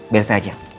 bel saya aja